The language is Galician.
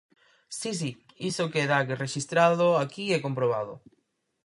Si, si, iso queda rexistrado aquí e comprobado.